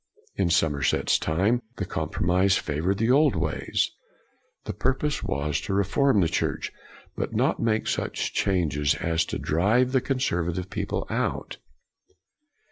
In Som erset's time the compromise favored the old ways; the purpose was to reform the Church, but not to make such changes as to drive the conservative people out.